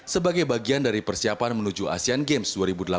sebagai bagian dari persiapan menuju asean games dua ribu delapan belas